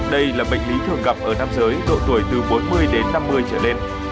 đây là bệnh lý thường gặp ở nam giới độ tuổi từ bốn mươi đến năm mươi trở lên